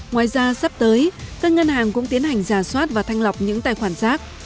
ngoài ra sắp tới các ngân hàng cũng tiến hành giả soát và thanh lọc những tài khoản giác